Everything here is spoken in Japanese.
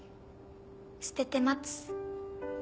「捨てて待つ」。